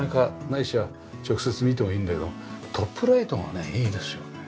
ないしは直接見てもいいんだけどトップライトがねいいですよね。